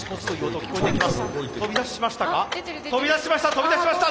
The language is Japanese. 飛び出しました